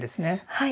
はい。